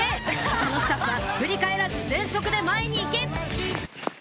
他のスタッフは振り返らず全速で前に行け！